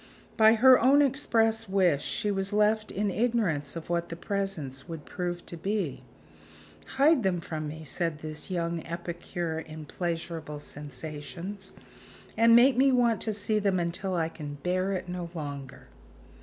By her own express wish, she was left in ignorance of what the presents would prove to be. "Hide them from me," said this young epicure in pleasurable sensations, "and make me want to see them until I can bear it no longer."